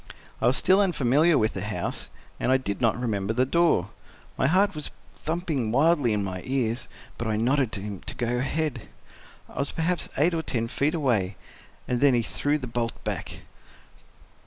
I was still unfamiliar with the house, and I did not remember the door. My heart was thumping wildly in my ears, but I nodded to him to go ahead. I was perhaps eight or ten feet away—and then he threw the bolt back.